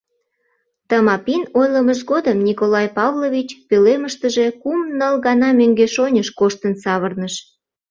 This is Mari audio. Тымапин ойлымыж годым Николай Павлович пӧлемыштыже кум-ныл гана мӧҥгеш-оньыш коштын савырныш.